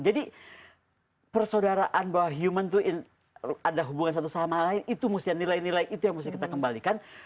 jadi persaudaraan bahwa human tuh ada hubungan satu sama lain itu yang harus kita nilai nilai itu yang harus kita kembalikan